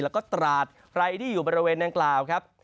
แล้วก็ตราดใครที่อยู่บริเวณดังกล่าวครับ